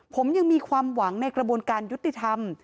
ผมยังมีความหวังในกระบวนการยุติธรรม